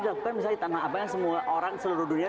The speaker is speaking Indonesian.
dilakukan misalnya di tanah apa yang semua orang seluruh dunia